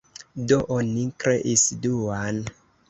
Do, oni kreis duan.